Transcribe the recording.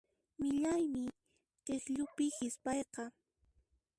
Millaymi k'ikllupi hisp'ayqa.